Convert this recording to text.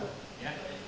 demikian jam tiga